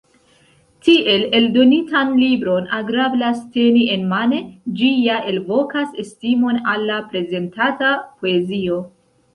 Tiel eldonitan libron agrablas teni enmane, ĝi ja elvokas estimon al la prezentata poezio.